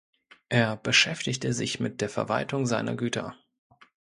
Er beschäftigte sich mit der Verwaltung seiner Güter.